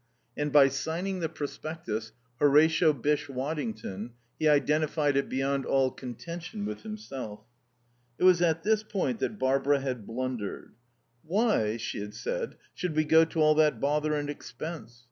And by signing the prospectus, Horatio Bysshe Waddington, he identified it beyond all contention with himself. It was at this point that Barbara had blundered. "Why," she had said, "should we go to all that bother and expense?